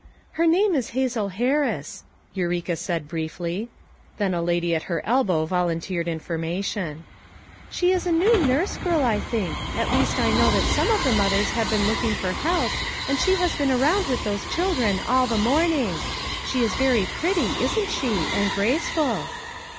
"Her name is Hazel Harris," Eureka said briefly. Then a lady at her elbow volunteered information. "She is a new nurse girl, I think; at least I know that some of the mothers have been look ing for help, and she has been around with FOUR MOTHERS AT CHAUTAUQUA 273 those children all the morning. She is very pretty, isn't she, and graceful!"